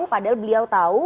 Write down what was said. padahal beliau tahu